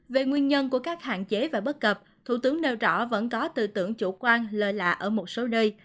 về nguyên nhân của các hạn chế và bất cập thủ tướng nêu rõ vẫn có tư tưởng chủ quan lờ lạ ở một số nơi